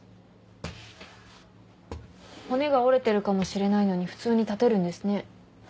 骨が折れてるかもしれないのに普通に立てるんですね。